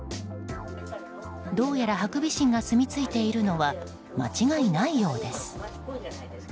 どうやらハクビシンが住み着いているのは間違いないようです。